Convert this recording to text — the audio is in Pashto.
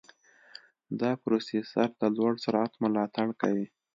دا پروسېسر د لوړ سرعت ملاتړ کوي.